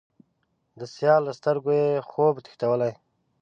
د سیال له سترګو یې، خوب تښتولی